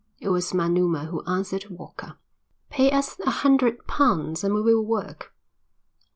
It was Manuma who answered Walker. "Pay us a hundred pounds and we will work."